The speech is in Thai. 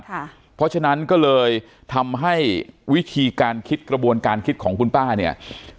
เพราะฉะนั้นก็เลยทำให้วิธีการคิดกระบวนการคิดของคุณป้าเนี่ย